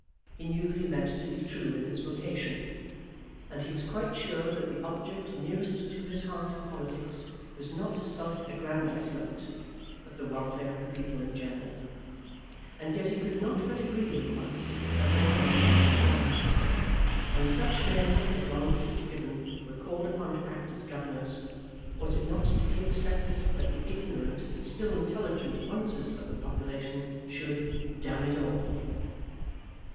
He knew that he meant to be true in his vocation. And he was quite sure that the object nearest to his heart in politics was not self aggrandisement, but the welfare of the people in general. And yet he could not but agree with Bunce that there was something wrong. When such men as Laurence Fitzgibbon were called upon to act as governors, was it not to be expected that the ignorant but still intelligent Bunces of the population should "d n it all"?